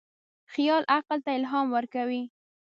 خیال عقل ته الهام ورکوي.